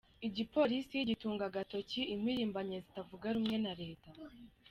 Igipolisi gitunga agatoki impirimbanyi zitavuga rumwe na leta.